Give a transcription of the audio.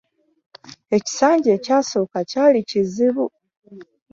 Ekisanja ekyasooka kyali kizibu.